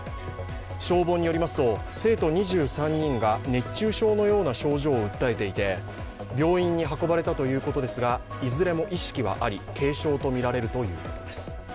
消防によりますと生徒２３人が熱中症のような症状を訴えていて病院に運ばれたということですがいずれも意識はあり、軽症とみられるということです。